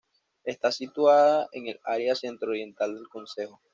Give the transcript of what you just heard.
Está situada en el área centro oriental del concejo.